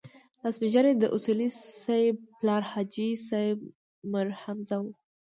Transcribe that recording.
دا سپين ږيری د اصولي صیب پلار حاجي صیب میرحمزه و.